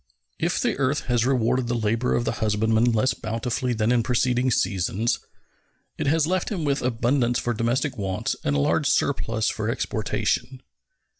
If the earth has rewarded the labor of the husbandman less bountifully than in preceding seasons, it has left him with abundance for domestic wants and a large surplus for exportation.